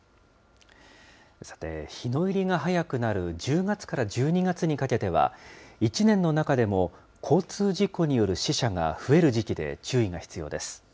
さて、日の入りが早くなる１０月から１２月にかけては、一年の中でも交通事故による死者が増える時期で、注意が必要です。